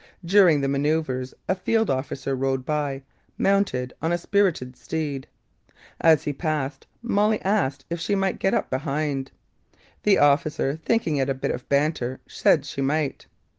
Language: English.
During the manoeuvres a field officer rode by, mounted on a spirited steed. As he passed, Molly asked if she might get up behind. The officer, thinking it a bit of banter, said she might.